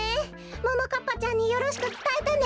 ももかっぱちゃんによろしくつたえてね。